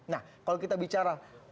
nah kalau kita bicara